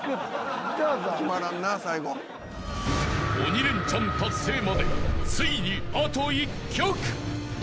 ［鬼レンチャン達成までついにあと１曲］